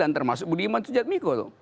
termasuk budiman sujatmiko